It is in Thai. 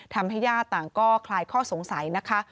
ญาติต่างก็คลายข้อสงสัยนะคะ